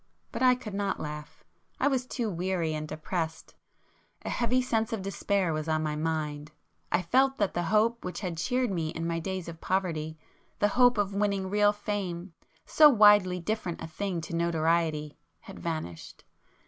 But I could not laugh; I was too weary and depressed. A heavy sense of despair was on my mind; I felt that the hope which had cheered me in my days of poverty,—the hope of winning real Fame, so widely different a thing to notoriety, had vanished.